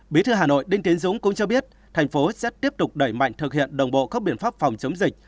bí thư hà nội đinh tiến dũng cũng cho biết thành phố sẽ tiếp tục đẩy mạnh thực hiện đồng bộ các biện pháp phòng chống dịch